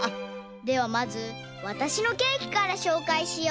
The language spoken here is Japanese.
ではまずわたしのケーキからしょうかいしよう。